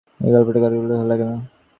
এই গল্পটা কাউকে বলতে ভালো লাগে না।